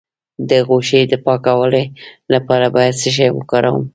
د غوښې د پاکوالي لپاره باید څه شی وکاروم؟